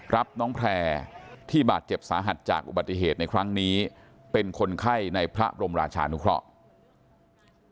รับน้องแพร่ที่บาดเจ็บสาหัสจากอุบัติเหตุในครั้งนี้เป็นคนไข้ในพระบรมราชานุเคราะห์